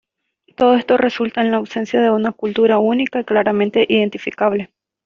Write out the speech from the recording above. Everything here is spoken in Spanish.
Todo esto resulta en la ausencia de una cultura única y claramente identificable.